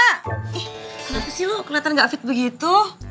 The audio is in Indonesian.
kenapa sih lu kelihatan gak fit begitu